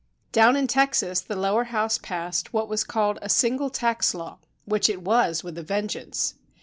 Down in Texas the lower house passed what was called a "Single Tax Law" â which it was with a vengeance.